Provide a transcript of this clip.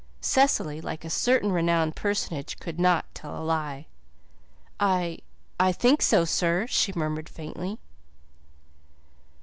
Cecily, like a certain renowned personage, could not tell a lie. "I I think so, sir," she murmured faintly.